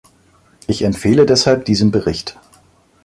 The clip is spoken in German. Ich empfehle deshalb diesen Bericht.